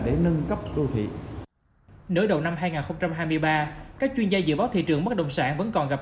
để nâng cấp đô thị nới đầu năm hai nghìn hai mươi ba các chuyên gia dự báo thị trường mất đồng sản vẫn còn gặp